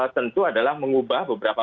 tentu adalah mengubah beberapa